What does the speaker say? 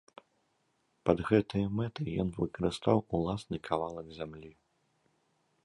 Пад гэтыя мэты ён выкарыстаў уласны кавалак зямлі.